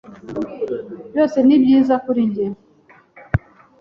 byose ni byiza. Kuri njye,